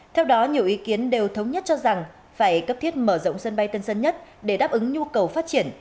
theo đó nhiều ý kiến đều thống nhất cho rằng phải cấp thiết mở rộng sân bay tân sơn nhất để đáp ứng nhu cầu phát triển